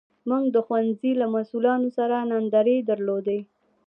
موږ د ښوونځي له مسوولانو سره ناندرۍ درلودې.